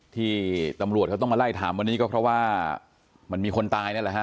ที่ตำรวจเขาต้องมาไล่ถามวันนี้ก็เพราะว่ามันมีคนตายนั่นแหละฮะ